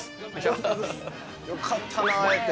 よかったな、会えて。